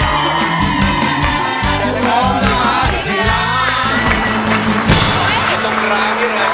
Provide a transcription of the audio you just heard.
ตอนนี้นะนอกต้นจากงานมีราคาราฮีมีราคารุกภงธุรกิจธุรกิจเทพ